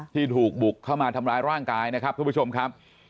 ที่ถูกบุกเข้ามาทำร้ายร่างกายนะครับทุกผู้ชมครับ